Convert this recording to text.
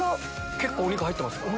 結構お肉入ってますか？